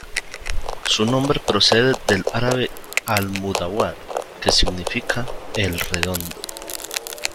Su nombre procede del árabe, المدور "al-mudawwar", que significa "el redondo".